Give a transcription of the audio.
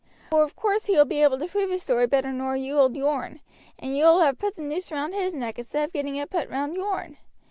Vor of course he will be able to prove his story better nor you will yourn, and you will have put the noose round his neck instead of getting it put round yourn.